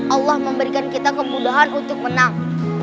allah memberikan kita kemudahan untuk menang